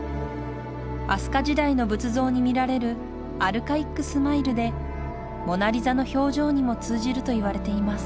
飛鳥時代の仏像に見られるアルカイックスマイルで「モナ・リザ」の表情にも通じるといわれています